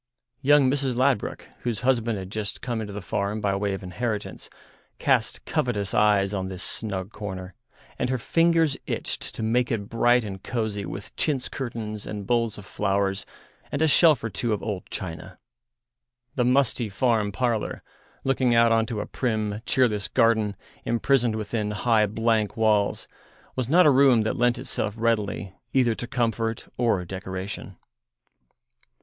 Young Mrs. Ladbruk, whose husband had just come into the farm by way of inheritance, cast covetous eyes on this snug corner, and her fingers itched to make it bright and cosy with chintz curtains and bowls of flowers, and a shelf or two of old china. The musty farm parlour, looking out on to a prim, cheerless garden imprisoned within high, blank walls, was not a room that lent itself readily either to comfort or decoration.